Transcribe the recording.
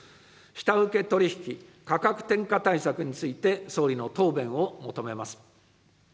下請け取り引き・価格転嫁対策について、総理の答弁を求めます。